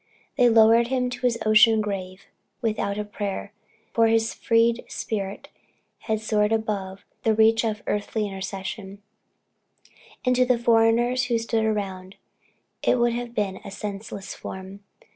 They lowered him to his ocean grave without a prayer; for his freed spirit had soared above the reach of earthly intercession, and to the foreigners who stood around, it would have been a senseless form.